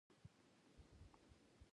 ډېر سخت سر ټکاوه.